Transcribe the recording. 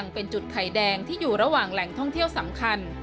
เป็นจุดไข่แดงที่อยู่ระหว่างแหล่งท่องเที่ยวสำคัญ